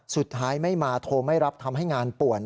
สุดท้ายไม่มาโทรไม่รับทำให้งานป่วน